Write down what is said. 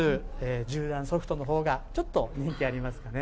１０段ソフトのほうが、ちょっと人気ありますかね。